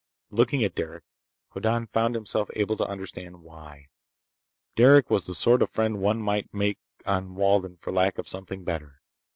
Looking at Derec, Hoddan found himself able to understand why. Derec was the sort of friend one might make on Walden for lack of something better.